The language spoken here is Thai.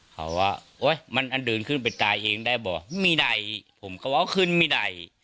เขาว่าโอ๊ยมันอันเดินขึ้นไปตายเองได้บอกไม่ได้ผมก็ว่าขึ้นไม่ได้